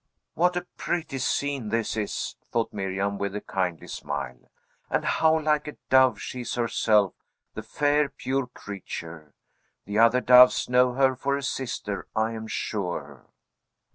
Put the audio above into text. "What a pretty scene this is," thought Miriam, with a kindly smile, "and how like a dove she is herself, the fair, pure creature! The other doves know her for a sister, I am sure."